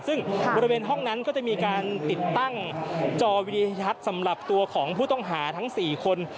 ซึ่งบริเวณห้องนั้นก็จะมีการติดตั้งจอวิดีทัศน์สำหรับตัวของผู้ต้องหาทั้ง๔คน